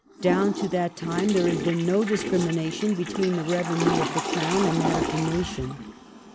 Down to that time there had been no discrimina tion between the revenue of the Crown and that of the nation.